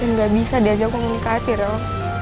yang gak bisa diajak komunikasi rel